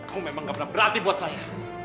kau memang tidak berarti buat saya